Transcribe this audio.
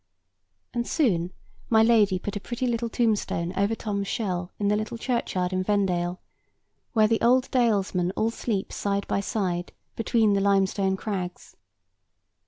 And soon my lady put a pretty little tombstone over Tom's shell in the little churchyard in Vendale, where the old dalesmen all sleep side by side between the lime stone crags.